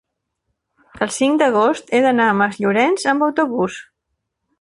el cinc d'agost he d'anar a Masllorenç amb autobús.